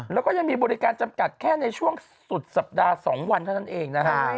แล้วก็ยังมีบริการจำกัดแค่ในช่วงสุดสัปดาห์๒วันเท่านั้นเองนะฮะ